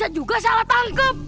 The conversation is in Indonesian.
juga salah tangkep